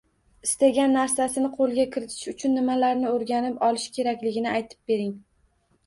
Istagan narsasini qo‘lga kiritishi uchun nimalarni o‘rganib olishi kerakligini aytib bering.